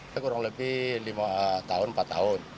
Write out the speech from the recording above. saya kurang lebih lima tahun empat tahun